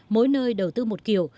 mỗi nơi đầu tư một kiểu